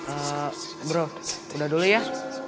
eh bro udah dulu ya